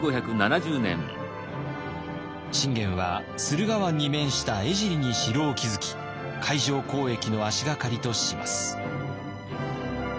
信玄は駿河湾に面した江尻に城を築き海上交易の足掛かりとします。